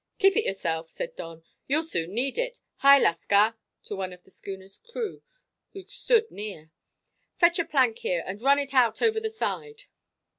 "Keep it yourself," said Don; "you'll soon need it. Hi, lascar!" to one of the schooner's crew who stood near. "Fetch a plank here and run it out over the side."